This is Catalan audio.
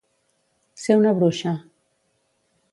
Ser una bruixa.